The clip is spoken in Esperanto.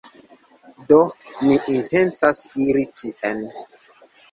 Do, ni intencas iri tien.